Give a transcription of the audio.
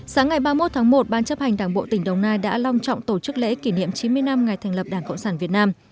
sáng ngày ba mươi một tháng một ban chấp hành đảng bộ tỉnh đồng nai đã long trọng tổ chức lễ kỷ niệm chín mươi năm ngày thành lập đảng cộng sản việt nam